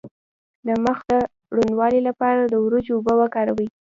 د مخ د روڼوالي لپاره د وریجو اوبه وکاروئ